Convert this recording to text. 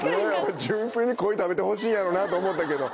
純粋にコイ食べてほしいんやろなと思ったけど。